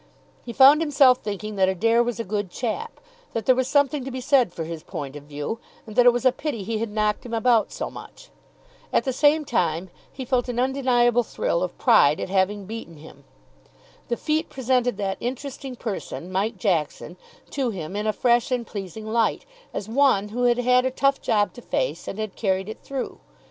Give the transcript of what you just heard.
He found himself thinking that Adair was a good chap, that there was something to be said for his point of view, and that it was a pity he had knocked him about so much. At the same time, he felt an undeniable thrill of pride at having beaten him. The feat presented that interesting person, Mike Jackson, to him in a fresh and pleasing light, as one who had had a tough job to face and had carried it through.